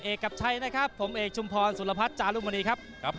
เอกกับชัยนะครับผมเอกชุมพรสุรพัฒน์จารุมณีครับ